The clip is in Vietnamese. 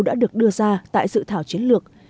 đã được đưa ra tại dự thảo chiến lược